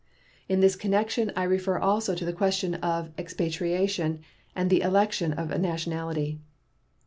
In this connection I refer also to the question of expatriation and the election of nationality.